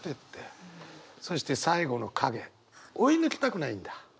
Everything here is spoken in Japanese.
そして追い抜きたくないんだ？